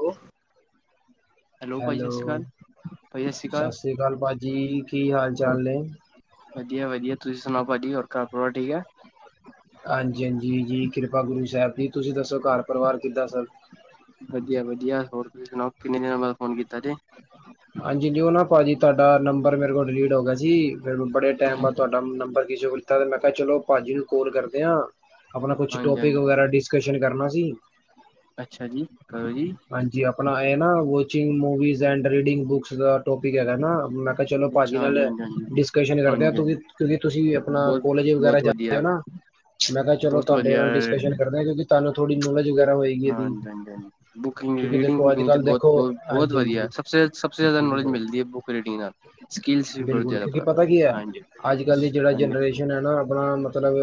Hello ਭਾਜੀ ਸਤਿ hello ਸ਼੍ਰੀ ਅਕਾਲ ਸਤਿ ਸ਼੍ਰੀ ਅਕਾਲ ਭਾਜੀ। ਕੀ ਹਾਲ ਚਾਲ ਨੇ? ਵਧੀਆ-ਵਧੀਆ ਤੁਸੀਂ ਸੁਣਾਓ ਭਾਜੀ, ਹੋਰ ਘਰ ਪਰਿਵਾਰ ਠੀਕ ਹੈ। ਹਾਂਜੀ-ਹਾਂਜੀ ਜੀ ਕਿਰਪਾ ਗੁਰੂ ਸਾਹਿਬ ਦੀ ਤੁਸੀਂ ਦੱਸੋ ਘਰ ਪਰਿਵਾਰ ਕਿੱਦਾਂ ਸਭ। ਵਧੀਆ - ਵਧੀਆ ਹੋਰ ਤੁਸੀਂ ਸੁਣਾਓ ਕਿੰਨੇ ਦਿਨਾਂ ਬਾਅਦ ਫੋਨ ਕੀਤਾ ਜੇ ਹਾਂਜੀ ਉਹ ਨਾ ਭਾਜੀ ਤੁਹਾਡਾ ਨੰਬਰ ਮੇਰੇ ਕੋਲ ਡਿਲੀਟ ਹੋ ਗਿਆ ਸੀ ਮੈਨੂੰ ਬੜੇ ਟਾਈਮ ਬਾਅਦ ਤੁਹਾਡਾ ਨੰਬਰ ਕਿਸੇ ਕੋਲੋ ਲਿਤਾ। ਤੇ ਮੈਂ ਕਿਹਾ ਚਲੋ ਭਾਜੀ ਨੂੰ ਕ ਕੋਲ ਕਰਦੇ ਹਾਂ ਆਪਣਾ ਕੁਛ ਹਾਂਜੀ ਟੋਪਿਕ ਹਾਂਜੀ ਵਗੈਰਾ ਡਿਸਕਸ਼ਨ ਕਰਨਾ ਸੀ ਅੱਛਾ ਜੀ ਕਰੋ ਜੀ। ਹਾਂਜੀ, ਆਪਣਾ ਇਹ ਨਾ watching movies and reading books ਦਾ ਟੋਪਿਕ ਹੈਗਾ ਨਾ ਮੈਂ ਕਿਹਾ ਚਲੋ ਭਾਜੀ ਅੱਛਾ ਨਾਲ ਹਾਂਜੀ ਹਾਂਜੀ ਹਾਂਜੀ ਡਿਸਕਸ਼ਨ ਕਰਦੇ ਆ ਹਾਂਜੀ ਹਾਂਜੀ ਕਿਉਂਕਿ, ਤੁਸੀਂ ਆਪਣਾ ਬਹੁਤ ਕੋਲਜ ਵਗੈਰਾ ਬਹੁਤ ਜਾ ਵਧੀਆ ਰਹੇ ਹੋ ਨਾ ਮੈਂ ਕਿਹਾ ਚਲੋ ਬਹੁਤ ਤੁਹਾਡੇ ਵਧੀਆ ਨਾਲ ਡਿਸਕਸ਼ਨ ਕਰਦੇ ਆ। ਕਿਉਂਕਿ ਤੁਹਾਨੂੰ ਥੋੜੀ ਨੋਲੇਜ ਵੈ ਹ ਹਾਂ-ਹਾਂ ਬੁਕਿੰਗ ਕਿਉਂਕਿ ਰੀਡਿੰਗ ਦੇਖੋ ਅੱਜ ਬੁਕਿੰਗ ਤੇ ਕੱਲ ਬਹੁਤ, ਦੇਖੋ ਬਹੁਤ, ਬਹੁਤ ਹਾਂਜੀ ਹਾਂਜੀ ਵਧੀਆ ਸਭ ਸਭ ਸਭਸੇ ਜ਼ਿਆਦਾ ਨੋਲੇਜ ਬਿਲਕੁਲ ਮਿਲਦੀ ਹੈ ਬੁੱਕ ਰੀਡਿੰਗ ਨਾਲ, ਸਕਿਲਸ ਵੀ ਬਹੁਤ ਬਿਲਕੁਲ ਕਿਉਂਕਿ ਜ਼ਿਆਦਾ ਪਤਾ ਕੀ ਹੈ ਹਾਂਜੀ ਅੱਜ -ਕੱਲ ਦੀ ਜੇੜਾ ਹਾਂਜੀ ਜਨਰੇਸ਼ਨ ਹੈ ਨਾ ਆਪਣਾ ਮਤਲਬ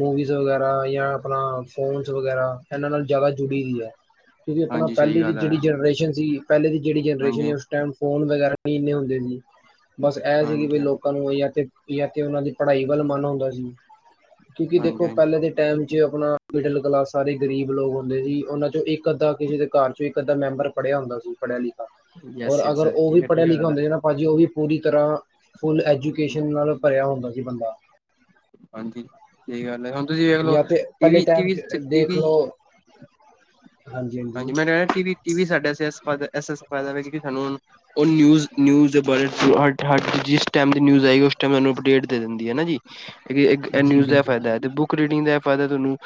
ਮੂਵੀਜ਼ ਵਗੈਰਾ ਯਾ ਆਪਣਾ ਫੋਨਸ ਵਗੈਰਾ ਇਹਨਾਂ ਨਾਲ ਜ਼ਿਆਦਾ ਜੁੜੀ ਵੀ ਐ ਕਿਉਂਕਿ, ਆਪਣਾ ਹਾਂਜੀ ਸਹੀ ਪਹਿਲੇ ਦੀ ਗੱਲ ਹੈ ਜੇੜੀ ਜਨਰੇਸ਼ਨ ਸੀ, ਪਹਿਲੇ ਦੀ ਜੇੜੀ ਜਨਰੇਸ਼ਨ ਹਾਂਜੀ ਐ ਉਸ ਟਾਈਮ ਫੋਨ ਵਗੈਰਾ ਵੀ ਨੀ ਇੰਨੇ ਹੁੰਦੇ ਸੀ, ਬਸ ਐਹ ਸੀ ਕਿ ਹਾਂਜੀ ਵੀ ਹਾਂਜੀ ਲੋਕਾਂ ਨੂੰ ਯਾ ਤੇ ਯਾ ਤੇ ਉਹਨਾਂ ਦੀ ਪੜ੍ਹਾਈ ਵੱਲ ਮਨ ਹੁੰਦਾ ਸੀ ਕਿਉਂਕਿ ਹਾਂਜੀ ਦੇਖੋ ਪਹਿਲੇ ਹਾਂਜੀ ਤੇ ਟਾਈਮ 'ਚ ਆਪਣਾ ਮਿਡਲ ਕਲਾਸ ਸਾਰੇ ਗਰੀਬ ਲੋਕ ਹੁੰਦੇ ਸੀ, ਉਹਨਾਂ 'ਚੋਂ ਇੱਕ ਅੱਧਾ ਕਿਸੇ ਦੇ ਘਰ 'ਚੋਂ ਇੱਕ ਅੱਧਾ ਮੈਂਬਰ ਪੜਿਆ ਹੁੰਦਾ ਸੀ, ਪੜ੍ਹਿਆ ਲਿਖਿਆ, ਔਰ ਯੈਸ ਯੈਸ ਅਗਰ ਉਹ ਵੀ ਠੀਕ ਹੈ ਠੀਕ ਪੜ੍ਹਿਆ ਹੈ ਲਿਖਿਆ ਗੱਲ ਹੈ। ਹੁੰਦਾ ਨਾ ਭਾਜੀ ਉਹ ਵੀ ਪੂਰੀ ਤਰ੍ਹਾਂ ਫੁੱਲ ਐਜੂਕੇਸ਼ਨ ਨਾਲ ਭਰਿਆ ਹੁੰਦਾ ਸੀ ਬੰਦਾ ਹਾਂਜੀ ਸਹੀ ਗੱਲ ਹੈ ਹੁਣ ਤੁਸੀਂ ਵੇਖ ਲਓ, ਜਾਂ ਤੇ ਪਹਿਲੇ ਟੀਵੀ ਟਾਈਮ -ਟੀਵੀ 'ਚ ਦੇਖ -ਟੀਵੀ 'ਚ ਲਓ ਹਾਂਜੀ ਮੈਂ ਕਹਿ ਟੀਵੀ ਸਾਡਾ ਟੀਵੀ ਏਸ ਏਸ ਸਪਾ ਦਾ ਇਹ ਸਾਨੂੰ ਹੁਣ ਉਹ ਨਿਊਜ, ਨਿਯੂਜ ਦੇ ਬਾਰੇ ਹਟ ਹਟ ਜਿਸ ਟੈਮ ਦੀ ਨਿਯੂਜ ਆਈ ਉਸ ਟਾਈਮ ਮੈਂਨੂੰ ਅਪਢੇਟ ਦੇ ਦਿੰਦੀ ਆ ਨਾ ਜੀ ਇਕ, ਇਕ ਜੀ ਨਿਊਜ਼ ਦਾ ਇਹ ਫਾਇਦਾ ਬਿਲਕੁਲ ਹੈ ਤੇ ਬੁੱਕ ਬੁਕ ਰੀਡਿੰਗ ਦਾ ਇਹ ਫਾਇਦਾ ਤੁਹਾਨੂੰ,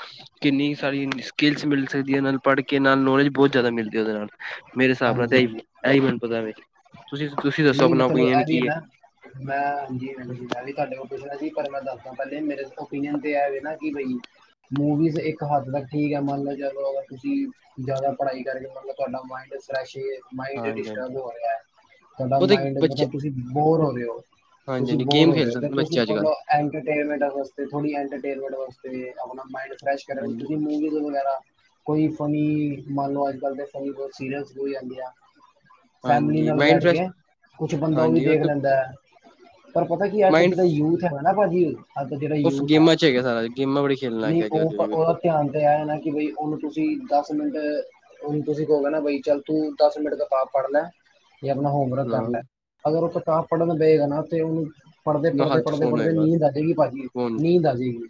ਕਿੰਨੀ ਸਾਰੀ ਸਕਿਲਸ ਮਿਲ ਸਕਦੀਆਂ ਇਹਨਾ ਨੂੰ ਪੜ੍ਹ ਕੇ ਨਾਲ ਨੌਲੇਜ ਬਹੁਤ ਜ਼ਿਆਦਾ ਮਿਲਦੀ ਉਹਦੇ ਨਾਲ, ਮੇਰੇ ਹਿਸਾਬ ਨਾਲ ਤਾਂ ਹਾਂਜੀ ਐ ਹਾਂਜੀ ਐਹੀ ਮੈਨੂੰ ਪਤਾ ਵੇ, ਤੁਸੀਂ ਤੁਸੀਂ ਦੱਸੋ ਨਹੀਂ ਆਪਣਾ ਮਤਲਬ, ਓਪੀਨੀਅਨ ਐਹ ਵੀ ਕੀ ਹੈ ਨਾ, ਮੈਂ ਹਾਂਜੀ- ਹੈ ਹਾਂਜੀ ਮੈਂ ਵੀ ਤਾਡੇ ਕੋਲ ਪੁੱਛਣਾ ਸੀ ਪਰ ਮੈਂ ਦੱਸਦਾ ਪਹਿਲੇ, ਮੇਰੇ ਓਪੀਨੀਅਨ ਤੇ ਐਹ ਆ ਨਿ ਕੀ ਬਈ ਮੂਵੀਜ਼ ਇੱਕ ਹੱਦ ਤੱਕ ਠੀਕ ਐ, ਮੰਨ ਲਓ ਚਲੋ ਅਗਰ ਤੁਸੀਂ ਜ਼ਿਆਦਾ ਪੜ੍ਹਾਈ ਕਰਕੇ ਮਤਲਬ ਤੁਹਾਡਾ ਮਾਇੰਡ ਫਰੈਸ਼ ਏ, ਮਾਇਡ ਹਾਂਜੀ ਹਾਂਜੀ ਡਿਸਟਰਬ ਹੋ ਰਿਹਾ ਤਾਡਾ ਉਹ ਤੇ ਮਾਇੰਡ ਬੱਚੇ ਮਤਲਬ ਤੁਸੀਂ ਬੋਰ ਹੋ ਰਹੇ ਹੋ, ਹਾਂਜੀ ਤੁਸੀਂ ਹਾਂਜੀ ਬੋਰ ਗੇਮ ਹੋ ਰਹੇ ਖੇਲ ਸਕਦੇ ਹੋ, ਨੇ ਤੁਸੀਂ ਬੱਚੇ ਸਿਰਫ ਅੱਜ ਕੱਲ੍ਹ ਆਪਣਾ ਐੰਟਰਟੇਨਮੈਂਟ ਵਾਸੜੇ ਥੋੜੀ ਐੰਟਰਟੇਨਮੈਂਟ ਵਾਸਤੇ ਆਪਣਾ ਮਾਇੰਡ ਫਰੈਸ਼ ਕਰਨ ਹਾਂਜੀ ਵਾਸਤੇ ਤੁਸੀਂ ਮੂਵੀ ਮੂਵੀ ਵਗੈਰਾ ਕੋਈ ਫਨੀ ਮੰਨ ਲੋ ਅੱਜ- ਕਲ ਫਨੀ ਬਹੁਤ ਸੀਰੀਅਸ ਲਿਆ ਗਿਆ ਹਾਂਜੀ ਮਾਇੰਡ ਫਰੈਸ਼ ਕੁਛ ਬੰਦਾ ਉਹ ਵੀ ਹਾਂਜੀ ਦੇਖ ਤੇ ਲੈਂਦਾ, ਪਰ ਪਤਾ ਕੀ ਅੱਜ ਮਾਇੰਡ ਜੇੜਾ ਯੂਥ ਹੈਗਾ ਨਾ ਭਾਜੀ ਅਜ ਜਿਹੜਾ ਉਸ ਯੂਥ ਹੈ, ਗੇਮਾਂ ਚ ਹੈਗਾ ਸਾਰਾ ਗੇਮਾਂ ਬੜੀ ਖੇਲਣ ਲੱਗ ਨਹੀਂ ਗਿਆ ਉਹ ਜੀ ਉਹਦਾ ਧਿਆਨ ਤੇ ਐ ਨਾ ਕਿ ਬਈ ਉਹਨੂੰ ਤੁਸੀਂ ਦਸ ਮਿੰਟ ਹੁਣ ਤੁਸੀਂ ਕਹੋਗੇ ਨਾ ਕੀ ਬਈ ਚੱਲ ਤੂੰ ਦਸ ਮਿੰਟ ਕਿਤਾਬ ਫੜ ਲੈ ਜਾਂ ਆਪਣਾ ਹੋਮਵਰਕ ਕਰ ਲੈ, ਹਾਂ ਅਗਰ ਉਹ ਕਿਤਾਬ ਪੜ੍ਹਨ ਬਏਗਾ ਨਾ ਤੇ ਉਹ ਪੜ੍ਹਦੇ- ਪੜ੍ਹਦੇ- ਹੱਥ ਪੜ੍ਹਦੇ- ਫੋਨ ਪੜ੍ਹਦੇ ਹੋਏਗਾ ਨੀਂਦ ਆਜੇਗੀ ਭਾਜੀ, ਫੋਨ ਨੀਂਦ ਆਜੇਗੀ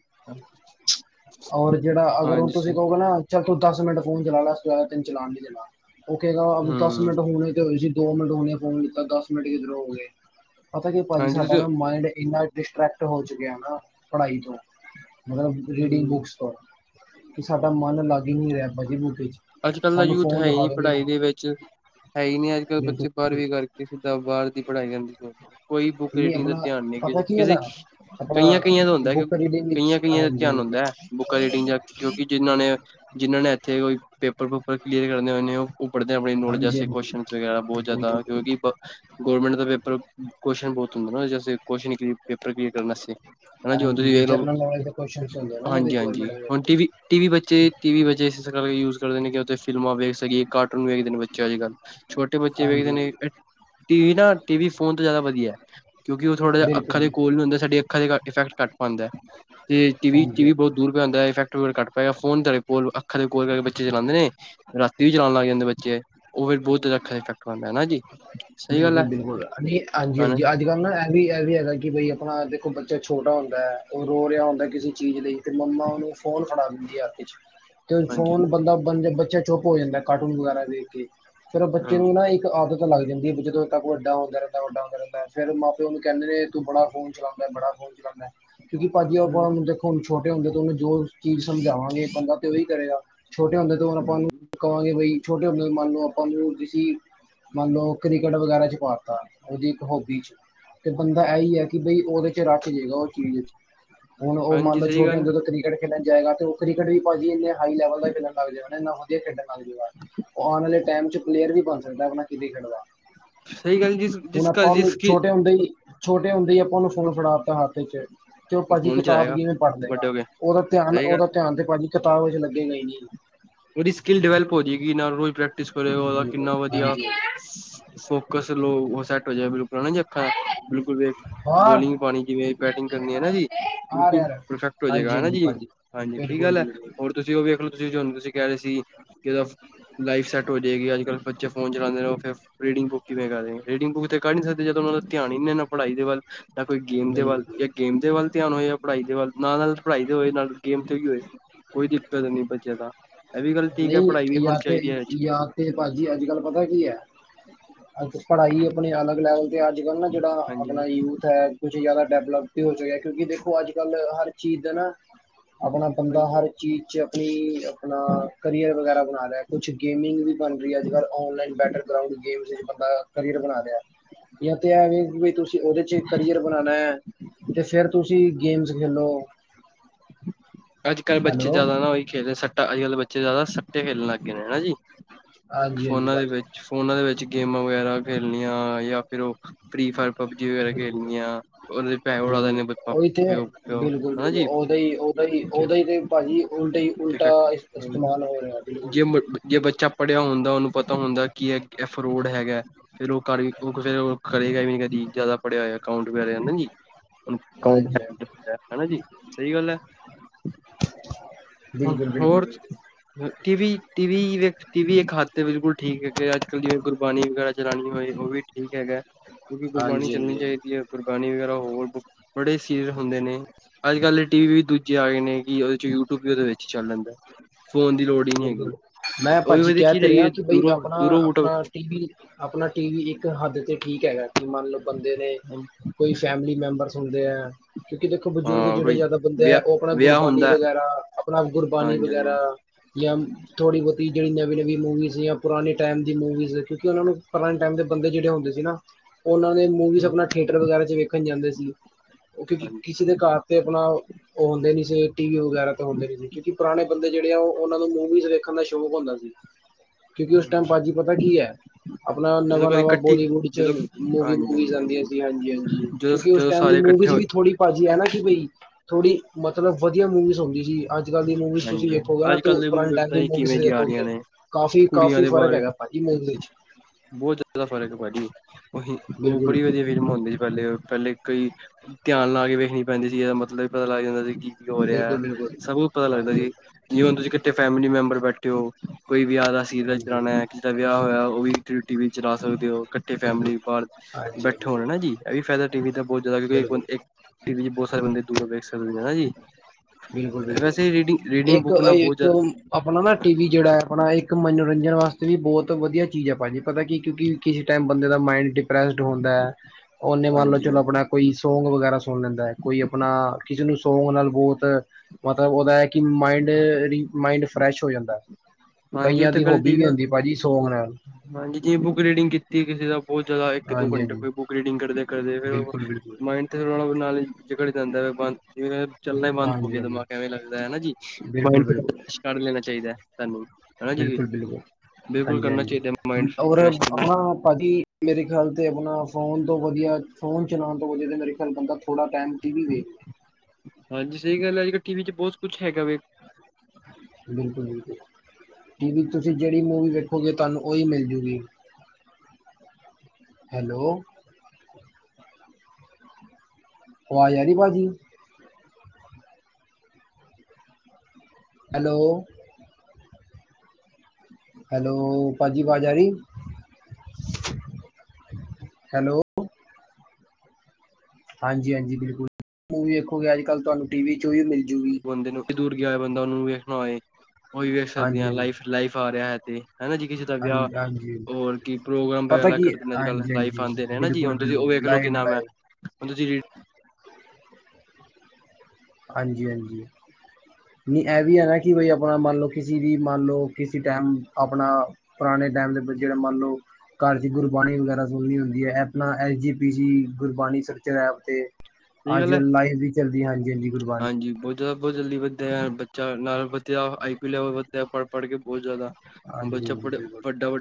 ਔਰ ਜੇੜਾ ਅਗਰ ਹੁਣ ਹਾਂਜੀ ਸਹੀ ਤੁਸੀਂ ਕਹੋਗੇ ਨਾ ਚੱਲ ਤੂੰ ਦਸ ਮਿੰਟ ਫੋਨ ਚਲਾਲਾ ਉਸ ਤੋ ਜਿਆਦਾ ਤੈਨੂੰ ਚਲਾਣ ਨੀ ਦੇਨਾ, ਉਹ ਕਹੇਗਾ ਦਸ ਹੂੰ ਮਿੰਟ ਹੁਣੇ ਤੇ ਹੋਏ ਸੀ ਦੋ ਮਿੰਟ ਹੁਨੇ ਫੋਨ ਲੀਤਾ, ਦਸ ਮਿੰਟ ਕਿੱਧਰੋਂ ਹੋ ਗਏ, ਪਤਾ ਕਿ ਭਾਜੀ ਹਾਂਜੀ ਸਾਡਾ ਤੁਸੀਂ ਨਾ ਮਾਇੰਡ ਇੰਨਾ ਡਿਸਟਰੈਕਟ ਹੋ ਚੁੱਕਿਆ ਨਾ ਪੜ੍ਹਾਈ ਤੋਂ, ਮਤਲਬ ਰੀਡਿੰਗ ਹੂੰ ਬੁੱਕਸ ਤੋਂ। ਕਿ ਸਾਡਾ ਮਨ ਲੱ ਕਦੀ ਨੀ ਰਿਹਾ ਭਾਜੀ ਬੂਟ ਵਿਚ, ਅੱਜ ਕੱਲ੍ਹ ਦਾ ਸਾਨੂੰ ਯੂਥ ਫੋਨ ਹੈ ਹੀ ਦਿਖਾ ਨਹੀਂ ਦੇਵੇ ਪੜ੍ਹਾਈ ਦੇ ਬਿਲਕੁਲ ਬਾਹਰਵੀ ਕਰਕੇ ਸਿੱਧਾ ਬਾਹਰ ਦੀ ਪੜ੍ਹਾਈ ਕਰਨੀ ਸੀ, ਕੋਈ ਬੁੱਕ ਬਿਲਕੁਲ ਨਹੀਂ ਰੀਡਿੰਗ ਦਾ ਆਪਣਾ ਧਿਆਨ ਨਹੀਂ ਪਤਾ ਗਿਆ ਕੀ ਹੈ ਕਿਸੇ ਨਾ ਆਪਣਾ ਕਈਆਂ -ਕਈਆਂ ਦਾ ਹੁੰਦਾ ਕਿ, ਬੁੱਕ ਰੀਡਿੰਗ ਵਿੱਚ ਕਈਆਂ- ਕਈਆਂ ਦਾ ਹਾਂਜੀ ਧਿਆਨ ਹਾਂਜੀ ਹੁੰਦਾ, ਬੁੱਕਾਂ ਰੀਡਿੰਗ ਜਾਂ ਕਿਉਂਕਿ ਜਿੰਨਾਂ ਨੇ ਜਿਨ੍ਹਾਂ ਨੇ ਇੱਥੇ ਕੋਈ ਪੇਪਰ ਪੂਪਰ ਕਲੀਅਰ ਕਰਨੇ ਹੋਏ, ਉਹ ਪੜ੍ਹਦੇ ਆਪਣੀ ਹਾਂਜੀ ਨੌਲੇਜ ਹਾਂਜੀ ਕੁਸ਼ਨ। ਵਗੈਰਾ ਬਹੁਤ ਬਿਲਕੁਲ ਜ਼ਿਆਦਾ, ਕਿਉਂਕਿ ਗੌਰਮੈਂਟ ਦਾ ਪੇਪਰ ਕੁਸ਼ਚਨ ਬਹੁਤ ਹੁੰਦਾ ਨਾ ਜੈਸੇ ਕੁਸਚਨਲੀ। ਪੇਪਰ ਕਲੀਅਰ ਕਰਨਾ ਸਿੱਖ, ਹਨਾ ਜ ਹਾਂਜੀ ਤੁਸੀਂ ਜੀ ਦੇਖ ਲੋ, ਜਰਨਲ ਨੌਲੇਜ ਦੇ ਕੁਐਸਚਨਸ ਹੁੰਦੇ ਨਾ ਉਹਦੇ ਹਾਂਜੀ- ਹਾਂਜੀ। ਗਵਰਨਮੈਂਟ ਦੇ ਹੁਣ ਟੀ ਵੀ ਟੀ ਵੀ ਬੱਚੇ, ਟੀ ਵੀ ਬੱਚੇ ਇਸ ਕਰਕੇ ਯੂਜ ਕਰਦੇ ਨੇ ਕਿ ਉਥੇ ਫਿਲਮਾਂ ਵੇਖ ਸਕੀਏ, ਕਾਰਟੂਨ ਵੇਖਦੇ ਨੇ ਬੱਚੇ ਅੱਜ- ਕੱਲ। ਛੋਟੇ ਬੱਚੇ ਹਾਂਜੀ ਵੇਖਦੇ ਨੇ, ਹਾਂਜੀ ਐ ਟੀ ਵੀ ਨਾ ਟੀ ਵੀ ਫੋਨ ਤੋਂ ਜ਼ਿਆਦਾ ਵਧੀਆ। ਕਿਉਂਕਿ ਉਹ ਥੋੜ੍ਹਾ ਜਿਹਾ ਬਿਲਕੁਲ ਅੱਖਾਂ ਦੇ ਬਿਲਕੁਲ ਕੋਲ ਨੀ ਹੁੰਦਾ ਸਾਡੀ ਅੱਖਾਂ ਦੇ ਇਫੈਕਟ ਘੱਟ ਪਾਂਦਾ, ਤੇ ਟੀ ਵੀ, ਟੀ ਹਾਂਜੀ ਵੀ ਬਹੁਤ ਦੂਰ ਪਿਆ ਹੁੰਦਾ, ਇਫੈਕਟ ਘੱਟ ਪਏ ਫੋਨ ਤੇ ਹੋਏ ਕੋਲ ਅੱਖਾਂ ਦੇ ਕੋਲ ਕਰਕੇ ਬੱਚੇ ਚਲਾਉਂਦੇ ਨੇ, ਰਾਤੀ ਵੀ ਚਲਾਉਣ ਲੱਗ ਜਾਂਦੇ ਬੱਚੇ ਉਹ ਫੇਰ ਬਹੁਤ ਤੇ ਅਖਾ ਤੇ ਇਫੈਕਟ ਪੈੰਦਾ ਹਨਾ ਜੀ, ਸਹੀ ਗੱਲ ਹੈ। ਬਿਲਕੁਲ ਬਿਲਕੁਲ ਨਹੀਂ ਹਾਂਜੀ ਹਨਾ ਹਾਂਜੀ ਅੱਜ- ਕੱਲ ਨਾ, ਐਹ ਵੀ, ਐਹ ਵੀ ਹੈਗਾ ਕਿ ਬਈ ਆਪਣਾ ਦੇਖੋ ਬੱਚਾ ਛੋਟਾ ਹੁੰਦਾ ਹੈ ਉਹ ਰੋ ਰਿਹਾ ਹੁੰਦਾ ਕਿਸੀ ਚੀਜ਼ ਲਈ 'ਤੇ ਮੰਮਾ ਉਨੂੰ ਫੋਨ ਫੜਾਂਦੀ ਐ ਹਥ 'ਚ, ਤੇ ਹਾਂਜੀ ਫੋਨ ਬੰਦਾ- ਬੰਦੇ ਬੱਚੇ ਚੁੱਪ ਹੋ ਜਾਂਦੈ ਕਾਰਟੂਨ ਵਗੈਰਾ ਵੇਖ ਕੇ, ਫਿਰ ਉਹ ਬੱਚੇ ਨੂੰ ਹਾਂਜੀ ਨਾ ਇੱਕ ਆਦਤ ਲਗ ਜਾਂਦੀ ਐ, ਜਦੋ ਤੱਕ ਉਹ ਵਡਾ ਹੁੰਦਾ ਰੈਂਦਾ, ਵਡਾ ਹੁੰਦਾ ਰੈਂਦਾ, ਫਿਰ ਮਾਂ- ਪਿਓ ਉਨੂੰ ਕੈਂਦੇ ਨੇ, ਤੂੰ ਬੜਾ ਫੋਨ ਚਲਾਦੈ, ਬੜਾ ਮੋਜ ਕਰਨੈ। ਕਿਉਂਕਿ ਭਾਜੀ, ਉਹ ਆਪਾਂ ਦੇਖੋ, ਛੋਟੇ ਹੁੰਦੇ 'ਤੇ ਉਨੂੰ ਜੋ ਚੀਜ਼ ਸਮਝਾਵਾਂਗੇ, ਬੰਦਾ ਤੇ ਓਈ ਕਰੇਗਾ। ਛੋਟੇ ਹੁੰਦੇ 'ਤੇ ਹੁਨ ਆਪਾਂ ਉਨੂੰ, ਕਵਾਂਗੇ ਬਈ, ਛੋਟੇ ਹੁੰਦੇ ਮੰਨ ਨੂੰ ਆਪ ਆਪ ਨੂੰ ਤੁਸੀਂ, ਮੰਨ ਲਓ ਕ੍ਰਿਕਟ ਵਗੈਰਾ 'ਚ ਪਾਤਾ, ਉਦੀ ਇੱਕ ਹੋਬੀ ਚ 'ਤੇ ਬੰਦਾ ਐਈ ਐ ਕਿ ਬਈ ਓਦੇ 'ਚ ਰਚ ਜੇਗਾ ਉਹ ਚੀਜ਼ 'ਚ, ਹੁਨ ਉਹ ਮੰਨ ਹਾਂਜੀ ਲਓ ਸਹੀ ਛੋਟੇ ਗੱਲ ਹੁੰਦੇ ਤੋ ਕਦੀ ਕ੍ਰਿਕਟ ਖੇਡਨ ਜਾਏਗਾ 'ਤੇ ਉਹ ਕ੍ਰਿਕਟ ਵੀ ਭਾਜੀ, ਇੰਨੇ ਹਾਈ ਲੈਵਲ 'ਤੇ ਖੇਡਨ ਲੱਗ ਜਾਏਗਾ, ਇੰਨਾ ਵਦੀਆ ਖੇਡਨ ਲਗ ਜਾਏਗਾ। ਆਉਨ ਵਾਲੇ ਟੈਮ 'ਚ ਪਲੇਅਰ ਵੀ ਬਨ ਸਕਦਾ, ਅਪਨਾ ਕ੍ਰਿਕਟ ਦਾ। ਸਹੀ ਗੱਲ ਜਿਸ ਹੁਨ ਜਿਸ ਘਰ ਆਪਾਂ ਉਨੂੰ ਜਿਸ ਕੀ ਛੋਟੇ ਹੁੰਦੇ ਹੀ ਛੋਟੇ ਹੁੰਦੇ ਈ ਆਪਾਂ ਉਨੂੰ ਫੋਨ ਫੜਾ ਦਿੱਤਾ ਹੱਥ 'ਚ। 'ਤੇ ਉਹ ਭਾਜੀ, ਫੋਨ ਹੀ ਕਿਤਾਬ ਚਲਾਏਗਾ ਕਿਵੇਂ ਪੜ੍ਹ ਵੱਡੇ ਲੇਗਾ? ਹੋ ਕੇ ਓਦਾ ਧਿਆਨ, ਸਹੀ ਗੱਲ ਓਦਾ ਧਿਆਨ 'ਤੇ ਭਾਜੀ, ਕਿਤਾਬ ਵਿੱਚ ਲੱਗੇਗਾ ਈ ਨੀ। ਓਦੀ ਸਕਿੱਲ ਡਿਵੈਲਪ ਹੋ ਜੇਗੀ, ਇੰਨਾ ਰੋਜ਼ ਪ੍ਰੈਕਟਿਸ ਕਰੇਗਾ, ਓਦਾ ਕਿੰਨਾ ਵਦੀਆ ਹਾਂਜੀ ਫੋਕਸ ਲੋਗ ਉਹ ਸੈੱਟ ਹੋ ਜਾਵੇ, ਬਿਲਕੁਲ ਪੁਰਾਨੀ ਨੀ ਅੱਖਾਂ, ਬਿਲਕੁਲ, ਹਾਂ ਬੋਲਿੰਗ ਪਾਨੀ ਜਿਵੇਂ [unintelligible] ਬੈਟਿੰਗ ਕਰਨੀ ਐ ਨਾ ਜੀ, ਆ ਬਿਲਕੁਲ ਰਿਹਾ ਰਿਹਾ ਪਰਫੈਕਟ ਹੋ ਹਾਂਜੀ ਜਾਏਗਾ, ਹੈ ਨਾ ਹਾਂਜੀ ਜੀ? ਭਾਜੀ ਹਾਂਜੀ, ਕੀ ਬਿਲਕੁਲ ਗੱਲ ਐ? ਬਿਲਕੁਲ ਹੋਰ ਤੁਸੀਂ ਉਹ ਵੇਖ ਲੋ, ਤੁਸੀਂ ਜੋ ਹੁਨ ਤੁਸੀਂ ਕੈਅ ਰੇ ਸੀ, ਕਿ ਰਫ ਲਾਈਫ ਸੈੱਟ ਹੋ ਜਏਗੀ, ਅੱਜ- ਕੱਲ੍ਹ ਬੱਚੇ ਫੋਨ ਚਲਾਂਦੇ ਨੇ, ਉਹ ਫਿਰ ਰੀਡਿੰਗ ਬੁੱਕ ਕਿਵੇਂ ਕਰ ਦੇਨਗੇ? ਰੀਡਿੰਗ ਬੁੱਕ 'ਤੇ ਕੱਢ ਨੀ ਸਕਦੇ, ਜਦ ਉਨਾਂ ਦਾ ਧਿਆਨ ਈ ਨੀ ਏਨਾ ਪੜਾਈ ਦੇ ਵੱਲ। ਐ, ਕੋਈ ਗੇਮ ਦੇ ਵੱਲ ਬਿਲਕੁਲ ਇਕ ਗੇਮ ਦੇ ਵੱਲ ਧਿਆਨ ਹੋਏ ਜਾਂ ਪੜ੍ਹਾਈ ਦੇ ਵੱਲ? ਨਾਲ-ਨਾਲ ਪੜ੍ਹਾਈ ਦੇ ਹੋਏ, ਨਾਲ ਗੇਮ 'ਤੇ ਵੀ ਹੋਏ। ਕੋਈ ਦਿੱਕਤ ਨੀ ਬੱਚੇਆ ਦਾ, ਐਹ ਵੀ ਗੱਲ ਠੀਕ ਐ ਪੜ੍ਹਾਈ ਵੀ ਹੋਨੀ ਚਾਈਦੀ ਐ ਅੱਜ। ਏ ਭਾਅ ਜੀ, ਅੱਜ-ਕੱਲ ਪਤਾ ਕੀ ਐ? ਅੱਜ ਪੜ੍ਹਾਈ ਅਪਨੇ ਅਲੱਗ ਲੈਵਲ 'ਤੇ ਅੱਜ-ਕੱਲ੍ਹ ਨਾ ਜੇੜਾ ਹਾਂਜੀ ਆਪਨਾ, ਹਾਂਜੀ ਯੂਥ ਖੈਰ, ਤੁਸੀ ਜਾਦਾ ਡੈਪਲਪ ਵੀ ਹੋ ਚੁੱਕਿਆ, ਕਿਉਂਕਿ ਦੇਖੋ, ਅੱਜ- ਕੱਲ ਹਰ ਚੀਜ਼ ਦਾ ਨਾ ਅਪਨਾ ਬੰਦਾ ਹਾਂਜੀ ਹਰ ਚੀਜ਼ 'ਚ ਅਪਨੀ, ਅਪਨਾ ਕਰੀਅਰ ਵਗੈਰਾ ਬਨਾ ਲਿਆ, ਕੁਛ ਗੇਮਿੰਗ ਵੀ ਬਨ ਰੀ ਐ। ਅੱਜ-ਕੱਲ ਔਨਲਾਈਨ ਬੈਟਰ ਗਰਾਂਉਡ ਗੇਮ' ਚ ਬੰਦਾ ਕਰੀਅਰ ਬਨਾ ਲਿਆ। ਯਾ ਤੇ ਐ ਹੈਗੇ ਬਈ, ਤੁਸੀਂ ਓਦੇ 'ਚ ਕਰੀਅਰ ਬਨਾਨੈ, 'ਤੇ ਫੇਰ ਤੁਸੀਂ ਗੇਮਸ ਖੇਲੋ। ਅੱਜ- ਕੱਲ੍ਹ ਬੱਚੇ ਹੈਲੋ ਜਾਦਾ ਨਾ, ਓਈ ਖੇਡਦੇ ਸੱਟਾ। ਅੱਜ-ਕੱਲ੍ਹ ਬੱਚੇ ਜਾਦਾ ਸੱਟੇ ਖੇਲਨ ਲੱਗ ਗਏ ਨੇ, ਹੈਨਾ ਜੀ? ਹਾਂਜੀ- ਹਾਂਜੀ। ਫੋਨਾਂ ਬਾ ਦੇ ਵਿੱਚ ਫੋਨਾਂ ਦੇ ਵਿੱਚ ਗੇਮਾਂ ਵਗੈਰਾ ਖੇਲਨੀਆਂ, ਯਾ ਫਿਰ ਉਹ ਫਰੀ ਫਾਇਰ, ਪਬਜੀ ਵਗੈਰਾ ਬਿਲਕੁਲ ਖੇਲਨੀ ਆ, ਓਦੇ ਪੈਹੇ ਉਡਾ ਦਿੰਨੀ ਬਿਲਕੁਲ ਆ ਬਪਾ। ਉਹੀ ਪਿਉ-ਪਿਉ, ਹਾਂਜੀ। ਤੇ ਈ ਓਦਾ ਈ, ਓਦਾ ਈ ਤੇ ਭਾਜੀ ਉਲਟਾ ਈ ਉਲਟਾ, ਇਫੈਕਟ ਇਸਤੇ-ਇਸਤੇਮਾਲ ਹੋ ਰੇਆ ਬਿਲਕੁਲ। ਜੇ ਜੇ ਬੱਚਾ ਪੜ੍ਹਿਆ ਹੁੰਦਾ, ਉਨੂੰ ਪਤਾ ਹੁੰਦਾ ਕੀ ਅ ਐ, ਫਰੋਡ ਹੈਗੈ। ਫੇਰ ਉਹ ਕਰ ਉਹ ਫੇਰ ਉਹ ਕਰੇਗਾ ਵੀ ਨੀ ਕਦੀ, ਜਾਦਾ ਪੜ੍ਹਿਆ ਹੋਇਆ ਅਕਾਊਂਟ ਵਗੈਰਾ, ਹੈਨਾ ਜੀ? ਹਾਂਜੀ ਹਾਂਜੀ, ਅਕਾਂਊਟ, ਹੈਨਾ ਜੀ? ਸਹੀ ਗੱਲ ਐ। ਹੁਣ ਬਿਲਕੁਲ- ਬਿਲਕੁਲ, ਹੋਰ ਬਿਲਕੁਲ। ਟੀਵੀ, ਟੀਵੀ ਵਿਚ ਟੀਵੀ ਇੱਕ ਹੱਦ ਤੇ ਬਿਲਕੁਲ ਠੀਕ ਏ। 'ਤੇ ਅੱਜ-ਕਲ੍ਹ ਜਿਵੇਂ ਗੁਰਬਾਨੀ ਵਗੈਰਾ ਚਲਾਨੀ ਹੋਏ, ਉਹ ਵੀ ਠੀਕ ਹੈਗਾ। ਕਿਉਂਕਿ ਗੁਰਬਾਨੀ ਹਾਂਜੀ ਹਾਂਜੀ ਚੱਲਨੀ ਹਾਂਜੀ ਚਾਈਦੀ ਐ, ਗੁਰਬਾਨੀ ਵਗੈਰਾ ਹੋਰ, ਬੜੇ ਸੀਰੀਅਲ ਹੁੰਦੇ ਨੇ। ਅੱਜ-ਕੱਲ ਟੀਵੀ ਵੀ ਦੂਜੇ ਕੇ ਆ ਗਏ ਨੇ ਕਿ ਓਦੇ 'ਚ ਯੂ-ਟਿਊਬ ਵੀ ਓਦੇ ਵਿੱਚ ਚੱਲ ਲੈਂਦਾ, ਫੋਨ ਦੀ ਲੋੜ ਈ ਨੀ ਹੈਗੀ। ਬਿਲਕੁਲ ਮੈਂ ਉਹ ਵੀ ਭਾਜੀ ਵਦੀਆ ਕਹਿ ਚੀਜ਼ ਤੇ ਹੈਗੀ ਰਿਹਾ ਏ, ਕਿ ਬਈ ਆਪਣਾ ਦੂਰੋਂ-ਦੂਰੋਂ ਉ ਆਪਣਾ ਟੀਵੀ ਅਪਣਾ ਟੀਵੀ ਇੱਕ ਹੱਦ ਤੇ ਠੀਕ ਹੈਗਾ, ਕਿ ਮੰਨ ਲਓ ਬੰਦੇ ਨੇ ਹੈਜ ਕੋਈ ਫੈਮਿਲੀ ਮੈਂਬਰਸ ਹੁੰਦੇ ਐ ਕਿਉਂਕਿ ਦੇਖੋ ਬਜ਼ੁਰਗ ਹਾਂ ਜਿਹੜੇ ਕੋਈ ਜ਼ਿਆਦਾ ਬੰਦੇ ਐ, ਵਿਆਹ ਉਹ ਅਪਣਾ ਵਿਆਹ ਗੁਰਬਾਣੀ ਹੁੰਦਾ ਵਗੈਰਾ, ਅਪਣਾ ਗੁਰਬਾਣੀ ਹਾਂਜੀ ਵਗੈਰਾ ਯਾ ਥੋੜ੍ਹੀ-ਬਹੁਤੀ ਜੇੜੀ ਨਵੀਂ-ਨਵੀਂ ਮੂਵੀਜ਼, ਯਾ ਪੁਰਾਣੇ ਟੈਮ ਮੂਵੀਜ਼ ਕਿਉਂਕਿ ਉਹਨਾਂ ਨੂੰ ਪੁਰਾਣੇ ਟੈਮ ਦੇ ਬੰਦੇ ਜਿਹੜੇ ਹੁੰਦੇ ਸੀ ਨਾ, ਉਹਨਾਂ ਨੇ ਮੂਵੀਜ਼ ਹਾਂਜੀ ਅਪਣਾ ਥੀਏਟਰ ਵਗੈਰਾ'ਚ ਵੇਖਣ ਜਾਂਦੇ ਸੀ, ਉਹ ਕਿਉਂਕਿ ਕਿਸੇ ਦੇ ਘਰ ਤੇ ਅਪਨਾ ਓ ਹੂੰਦੇ ਨੀ ਸੀ ਟੀਵੀ ਵਗੈਰਾ ਤੋਂ ਹੁੰਦੇ ਨੀ ਸੀ, ਕਿਉਂਕਿ ਪੁਰਾਣੇ ਬੰਦੇ ਜਿਹੜੇ ਆ ਉਹਨਾਂ ਨੂੰ ਮੂਵੀਜ਼ ਦੇਖਣ ਦਾ ਸ਼ੌਕ ਹੁੰਦਾ ਸੀ। ਕਿਉਂਕਿ ਉਸ ਟਾਈਮ ਹਾਂਜੀ ਭਾਜੀ ਪਤਾ ਕੀ ਐ ਅਪਨਾ ਜਦੋਂ ਕਦੇ ਨਵਾਂ-ਨਵਾਂ ਇਕੱਠੀ ਬੋਲੀਵੁੱਡ'ਚ ਜਦੋਂ ਮੂਵੀ, ਹਾਂਜੀ ਮੂਵੀਜ ਹਾਂਜੀ ਹਾਂਜੀ ਆਂਦੀਆਂ ਸੀ, ਹਾਂਜੀ-ਹਾਂਜੀ। ਜਦੋਂ ਕਿਉਂਕਿ ਉਸ ਜਦੋਂ ਟੈਮ ਦੀ ਸਾਰੇ ਇਕੱਠੇ ਮੂਵੀਜ਼ ਹੋਏ ਵੀ ਥੋੜੀ ਭਾਜੀ ਐ ਨਾ ਕਿ ਬਈ, ਥੋੜੀ ਮਤਲਬ ਵਧੀਆ ਮੂਵੀਜ਼ ਹੁੰਦੀ ਸੀ। ਅੱਜ-ਕੱਲ ਦੀ ਮੂਵੀਜ਼ ਤੁਸੀਂ ਹਾਂਜੀ ਦੇਖੋਗੇ ਨਾ, ਅੱਜ ਤੇ ਕੱਲ੍ਹ ਦੇ ਪੁਰਾਣੇ ਮੂਵੀ ਟਾਈਮ ਪਤਾ ਦੀ ਨੀ ਮੂਵੀਜ਼ ਕਿਵੇਂ ਆ ਰਹੀਆਂ ਦੇਖੋਗੇ ਨੇ ਕਾਫੀ, ਕੁੜੀਆਂ ਕਾਫੀ ਦੇ ਫਰਕ ਬਾਰੇ ਹੈਗਾ ਭਾਜੀ। ਮੂਵੀਜ਼ ਵਿੱਚ ਬਹੁਤ ਜ਼ਿਆਦਾ ਫ਼ਰਕ ਏ ਭਾਜੀ, ਉਹ ਬਿਲਕੁਲ ਬੜੀ ਵਧੀਆ ਫਿਲਮ ਹੁੰਦੀ ਸੀ ਪਹਿਲੇ, ਪਹਿਲੇ ਕਈ ਧਿਆਨ ਲਾਕੇ ਵੇਖਣੀ ਪੈਂਦੀ ਸੀ, ਇਹਦਾ ਮਤਲਬ ਪਤਾ ਲੱਗ ਜਾਂਦਾ ਸੀ, ਕੀ-ਕੀ ਹੋ ਰਿਹਾ, ਬਿਲਕੁਲ-ਬਿਲਕੁਲ ਸਭ ਕੁਝ ਪਤਾ ਲੱਗਦਾ ਹਾਂਜੀ-ਹਾਂਜੀ, ਸੀ। ਜਿਵੇਂ ਹੁਣ ਤੁਸੀਂ ਕਿਤੇੇ ਫੈਮਿਲੀ ਮੈਂਬਰ ਬੈਠੇ ਓ, ਕੋਈ ਵਿਆਹ ਦਾ ਸੀਰੀਅਲ ਹਾਂਜੀ-ਹਾਂਜੀ, ਚਲਾਣਾ, ਕਿਸੇ ਦਾ ਵਿਆਹ ਹੋਇਆ ਉਹ ਵੀ ਠਰਿ ਟੀਵੀ ਚਲਾ ਸਕਦੇ ਓ, ਕੱਠੇ ਬਿਲਕੁਲ ਫੈਮਲੀ ਬਾਰ ਬੈਠਾ ਹਾਂਜੀ-ਹਾਂਜੀ। ਹੋਣਾ ਨਾ ਜੀ, ਐ ਵੀ ਫਾਇਦਾ ਟੀਵੀ ਦਾ ਬਹੁਤ ਜ਼ਿਆਦਾ ਕਿਉਂਕਿ ਇਕ ਬਿਲਕੁਲ, ਬੰਦ ਟੀਵੀ'ਚ ਬਹੁਤ ਸਾਰੇ ਬੰਦੇ ਦੂਰੋਂ ਵੇਖ ਸਕਦੇ ਨੇ ਹਨਾ ਜੀ, ਵੈਸ ਇੱਕ, ਇੱਕ ਅਪਣਾ ਨਾ ਟੀਵੀ ਜਿਹੜਾ ਐ, ਅਪਣਾ ਇੱਕ ਮਨੋਰੰਜਨ ਵਾਸਤੇ ਵੀ ਬਹੁਤ ਵਧੀਆ ਚੀਜ਼ ਐ ਭਾਜੀ। ਪਤਾ ਕਿ, ਕਿਉਂਕਿ ਕਿਸੀ ਟੈਮ ਬੰਦੇ ਦਾ ਮਾਇੰਡ ਡਿਪਰੈਸਡ ਹੁੰਦਾ, ਉਹਨੇ ਮੰਨਲੋ, ਹਾਂਜੀ ਹਾਂਜੀ ਚਲੋ ਅਪਣਾ ਕੋਈ ਸੌਂਗ ਵਗੈਰਾ ਸੁਣ ਲੈਂਦਾ, ਕੋਈ ਅਪਣਾ ਕਿਸੇ ਨੂੰ ਸੌਗ ਨਾਲ ਬਹੁਤ, ਮਤਲਬ ਉਹਦਾ ਐ ਕਿ ਮਾਇੰਡ ਮਾਇੰਡ ਫਰੈਸ਼ ਹੋ ਜਾਂਦੈ, ਹਾਂਜੀ ਉਹ ਕਈਆਂ ਤਾਂ ਦੀ ਗੱਲ ਹੋਬੀ ਠੀਕ ਵੀ ਹੈ ਹੁੰਦੀ ਭਾਜੀ ਸੌੰਗ ਨਾਲ। ਹਾਂਜੀ, ਜਿਵੇਂ ਬੁੱਕ ਰੀਡਿੰਗ ਕੀਤੀ ਕਿਸੇ ਦਾ ਬਹੁਤ ਜ਼ਿਆਦਾ, ਇੱਕ-ਦੋ ਘੰਟੇ ਹੋਏ ਬੁੱਕ ਰੀਡਿੰਗ ਕਰਦੇ-ਕਰਦੇ ਫਿਰ ਉ ਬਿਲਕੁਲ। ਤੇ ਉਹਦੇ ਨਾਲੋ ਜਕੜ ਜਾਂਦਾ ਬੰਦ, ਚੱਲਣਾ ਈ ਬੰਦ ਹੋਗਿਆ ਹਾਂਜੀ-ਹਾਂਜੀ ਦਿਮਾਗ ਐਵੇਂ ਲੱਗਦੈ ਹਨਾ ਜੀ। ਮਾਈੰਡ ਬਿਲਕੁਲ-ਬਿਲਕੁਲ, ਫਰੈਸ਼ ਕਰ ਲੈਣਾ ਚਾਹੀਦਾ, ਸਾਨੂੰ। ਹਨਾ ਜੀ ਬਿਲਕੁਲ-ਬਿਲਕੁਲ, ਬਿਲਕੁਲ ਕਰਨਾ ਹਾਂਜੀ-ਹਾਂਜੀ, ਚਾਹੀਦਾ ਮਾਇੰਡ ਓਰ ਫਰੈਸ਼ ਤੇ ਅਪਣਾ ਬਿਲਕੁਲ ਭਾ ਜੀ ਮੇਰੇ ਖਿਆਲ ਤੇ ਅਪਣਾ ਫੋਨ ਤੋਂ ਵਧੀਆ, ਫੋਨ ਚਲਾਣ ਤੋਂ ਵਧੀਆ ਤੇ ਮੇਰੇ ਖਿਆਲ ਬੰਦਾ ਥੋੜਾ ਟੈਮ ਟੀਵੀ ਦੇਖ ਹਾਂਜੀ ਸਹੀ ਗੱਲ ਐ, ਅੱਜ-ਕੱਲ੍ਹ ਟੀਵੀ'ਚ ਬਹੁਤ ਕੁੱਛ ਹੈਗਾ ਵੇ। ਬਿਲਕੁਲ-ਬਿਲਕੁਲ। ਟੀਵੀ'ਚ ਤੁਸੀਂ ਜਿਹੜੀ ਮੂਵੀ ਵੇਖੋਗੇ, ਤੁਹਾਨੂੰ ਓਈ ਮਿਲ ਜੂਗੀ। ਹੈਲੋ। ਅਵਾਜ਼ ਆ ਰੀ ਭਾਜੀ? ਹੈਲੋ। ਹੈਲੋ, ਭਾਜੀ ਵਾਜ ਆ ਰੀ? ਹੈਲੋ ਹਾਂਜੀ-ਹਾਂਜੀ ਬਿਲਕੁਲ, ਮੂਵੀ ਵੇਖੋਗੇ ਅੱਜ-ਕੱਲ ਤੁਹਾਨੂੰ ਟੀਵੀ'ਚ ਓਵੀ ਮਿਲਜੂਗੀ। ਬੰਦੇ ਨੂੰ, ਦੂਰ ਗਿਆ ਹੋਇਆ ਬੰਦਾ ਉਹਨੂੰ ਵੇਖਣਾ ਹੋਏ। ਓਈ ਵੇਖ ਸਕਦੇ ਆ, ਹਾਂਜੀ ਹਾਂਜੀ ਲਾਈਫ, ਲਾਈਫ ਆ ਰਿਹਾ ਹੈ, ਤੇ ਹੈਨਾ ਜੇ ਕਿਸੇ ਦਾ ਵਿਆਹ ਹਾਂਜੀ ਹਾਂਜੀ ਹੋਰ ਕਿ ਪ੍ਰੋਗਰਾਮ ਪਤਾ ਵਗੈਰਾ ਕੀ ਕੱਦੇ ਨੇ ਅੱਜ-ਕੱਲ ਹਾਂਜੀ ਲਾਈਵ ਹਾਂਜੀ ਆਂਦੇ ਨੇ ਹਨਾ ਜੀ, ਬਿਲਕੁਲ ਹੁਣ ਤੁਸੀਂ ਉਹ ਬਿਲਕੁਲ ਵੇਖਲੋ, ਕਿ ਲਾਈਵ ਨਾਮੈਂ ਲਾਈਵ ਹੁਣ ਤੁਸੀਂ ਹਾਂਜੀ-ਹਾਂਜੀ। ਨਹੀਂ ਐਵੀ ਐ ਨਾ ਕਿ ਬਈ ਅਪਣਾ ਮੰਨਲੋ, ਕਿਸੀ ਵੀ ਮੰਨ ਲਉ, ਕਿਸੀ ਟਾਈਮ ਆਪਣਾ ਪੁਰਾਣੇ ਟੈਮ ਦੇ ਵਿੱਚ ਜਿਹੜਾ ਮੰਨਲੋ ਘਰ 'ਚ ਗੁਰਬਾਣੀ ਵਗੈਰਾ ਸੁਣਣੀ ਹੁੰਦੀ ਹੈ ਐਪਣਾ ਆਈ ਜੀ ਪੀ ਸੀ ਗੁਰਬਾਣੀ ਸਰਚਰ ਐਪ 'ਤੇ। ਸਹੀ ਅੱਜ ਗੱਲ ਹੈ ਕੱਲ ਲਾਈਫ ਵੀ ਚੱਲਦੀ ਹਾਂਜੀ- ਹਾਂਜੀ ਗੁਰਬਾਣੀ। ਹਾਂਜੀ ਬੋਤ ਜ਼ਿਆਦਾ ਬੋਤ ਜਲਦੀ ਵਧ ਦਾ ਐ ਬੱਚਾ ਨਾਲ ਵਧੀਆ ਆਈ ਕੀਉ ਲੈਵਲ ਵਧ ਦਾ ਐ ਪੜ- ਪੜ ਕੇ ਬੋਤ ਜ਼ਿਆਦਾ। ਅ ਹਾਂਜੀ ਬਚਾ ਹਾਂਜੀ ਪੜ ਬਿਲਕੁਲ ਵੱਡਾ ਵ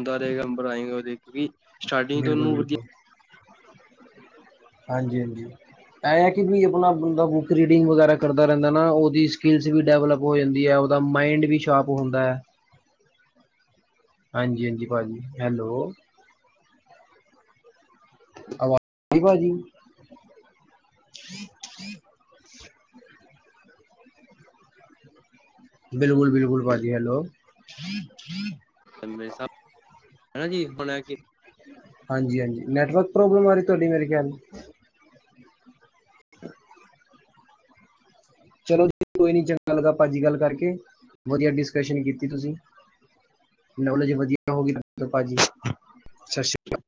ਹੁੰਦਾ ਰਹੇਗਾ ਨੰਬਰ ਆਏਗਾ ਉਦੇ ਕਿਉਂਕਿ ਸਟਾਰਟਿੰਗ ਤੋਂ ਬਿਲਕੁਲ ਉਹਨੂੰ ਵਧੀਆ। ਬਿਲਕੁਲ ਹਾਂਜੀ- ਹਾਂਜੀ। ਇਹ ਹੈ ਕਿ ਵੀ ਆਪਣਾ ਬੰਦਾ ਬੁੱਕ ਰੀਡਿੰਗ ਵਗੈਰਾ ਕਰਦਾ ਰਹਿੰਦਾ ਨਾ ਉਹਦੀ ਸਕਿਲਸ ਵੀ ਡਿਵਲਪ ਹੋ ਜਾਂਦੀ ਐ ਉਹਦਾ ਮਾਇੰਡ ਵੀ ਸ਼ਾਰਪ ਹੁੰਦਾ ਐ। ਹਾਂਜੀ- ਹਾਂਜੀ ਭਾਅ ਜੀ ਹੈਲੋ। ਆਵਾਜ਼ ਰੀ ਭਾਜੀ। ਬਿਲਕੁਲ- ਬਿਲਕੁਲ ਭਾਜੀ, ਹੈਲੋ। ਹਮੇਸ਼ਾ ਹਨਾ ਜੀ ਬਣਾ ਕਿ ਹਾਂਜੀ- ਹਾਂਜੀ ਨੈੱਟਵਰਕ ਪ੍ਰੋਬਲਮ ਆ ਰਹੀ ਤੁਹਾਡੀ ਮੇ ਖਿਆਲ। ਚਲੋ ਜੀ ਕੋਈ ਨੀ ਚੰਗਾ ਲੱਗਾ ਭਾਜੀ ਗੱਲ ਕਰਕੇ, ਵਧੀਆ ਡਿਸਕਸ਼ਨ ਕੀਤੀ ਤੁਸੀਂ। ਜੀ ਵਧੀਆ ਹੋ ਗ ਭਾਜੀ ਸਤਿ ਸ਼੍ਰੀ ਅਕਾਲ।